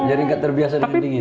menjadi nggak terbiasa dengan dingin